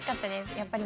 やっぱり